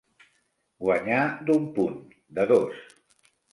Guanyar d'un punt, de dos.